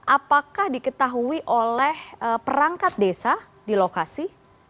apakah diketahui oleh perangkat desa di lokasi